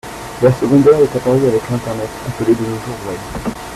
L'aire secondaire est apparu avec l'internet, appelé de nos jours Web